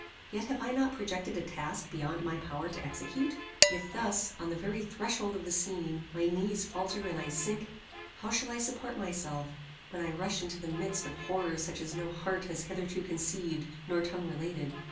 Yet have I not projected a task beyond my power to execute? If thus, on the very threshold of the scene, my knees faulter and I sink, how shall I support myself, when I rush into the midst of horrors such as no heart has hitherto conceived, nor tongue related?